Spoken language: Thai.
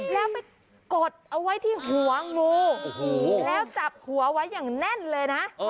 แล้วไม่กดเอาไว้ที่หัวงูแล้วจับหัวไว้อย่างแน่นเลยนะ